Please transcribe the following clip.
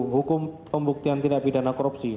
hukum pembuktian tindak pidana korupsi